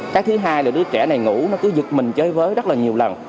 cái thứ hai là đứa trẻ này ngủ nó cứ giật mình chơi với rất là nhiều lần